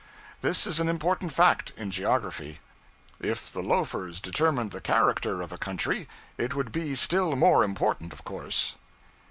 This is an important fact in geography.' If the loafers determined the character of a country, it would be still more important, of course.